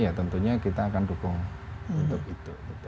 ya tentunya kita akan dukung untuk itu